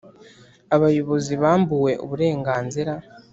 abayobozi bambuwe uburenganzira